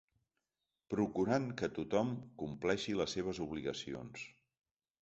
Procurant que tothom compleixi les seves obligacions.